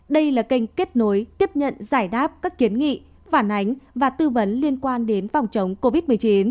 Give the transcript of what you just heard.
đây là kênh kết nối tiếp nhận giải đáp các kiến nghị phản ánh và tư vấn liên quan đến phòng chống covid một mươi chín